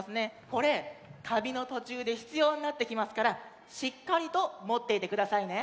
これたびのとちゅうでひつようになってきますからしっかりともっていてくださいね。